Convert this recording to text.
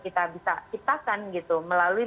kita bisa ciptakan melalui